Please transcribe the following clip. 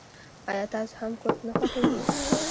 آیا تاسو هم کورت نه خوښیږي.